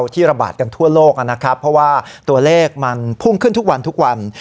ที่ระบาดกันทั่วโลกนะครับเพราะว่าตัวเลขมันพุ่งขึ้นทุกวันทุกวัน